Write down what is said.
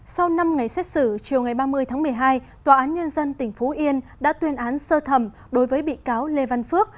sau năm ngày xét xử chiều ngày ba mươi tháng một mươi hai tòa án nhân dân tỉnh phú yên đã tuyên án sơ thẩm đối với bị cáo lê văn phước